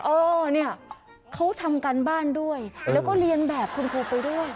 เออเนี่ยเขาทำการบ้านด้วยแล้วก็เรียนแบบคุณครูไปด้วย